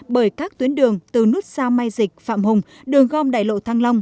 bởi các tuyến đường từ nút sao mai dịch phạm hùng đường gom đại lộ thăng long